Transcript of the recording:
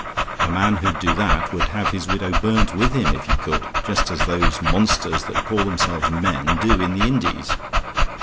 A man who'd do that would have his widow burnt with him, if he could just as those monsters, that call themselves men, do in the Indies.